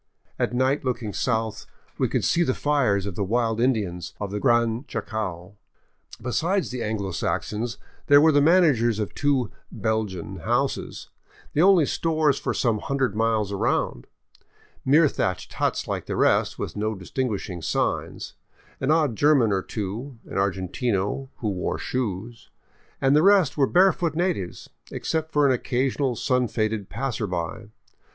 At night, looking south, we could see the fires of the wild Indians of the Gran Chaco. Besides the Anglo Saxons, there were the managers of two " Bel gian " houses — the only stores for some hundred miles around, mere thatched huts like the rest, with no distinguishing signs — an odd Ger man or two, an argentino who wore shoes ; and the rest were barefoot natives, except for an occasional sun faded passerby.